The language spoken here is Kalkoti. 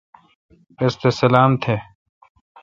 رس تھ سلام تھ۔